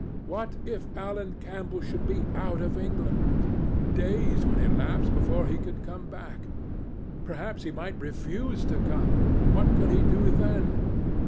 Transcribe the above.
What if Alan Campbell should be out of England? Days would elapse before he could come back. Perhaps he might refuse to come. What could he do then?